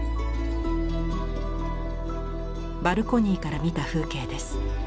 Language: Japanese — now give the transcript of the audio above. バルコニーから見た風景です。